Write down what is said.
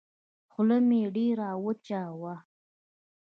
خوله مې ډېره وچه وه.